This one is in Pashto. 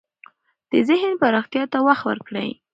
د ذهن پراختیا ته وخت ورکړئ.